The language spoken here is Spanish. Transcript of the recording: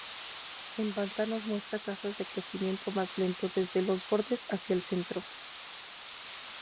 En pantanos muestra tasas de crecimiento más lento, desde los bordes hacia el centro.